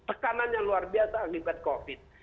tekanan yang luar biasa akibat covid